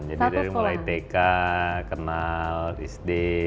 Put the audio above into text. jadi dari mulai deka kenal istri